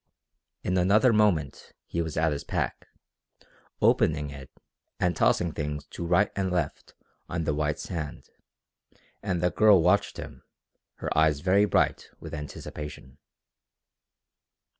In another moment he was at his pack, opening it, and tossing things to right and left on the white sand, and the girl watched him, her eyes very bright with anticipation.